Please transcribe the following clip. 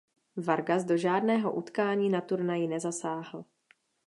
Vargas do žádného utkání na turnaji nezasáhl.